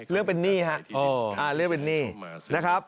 ลี่ที่ติด